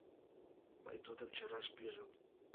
Мый тудым чараш пижым: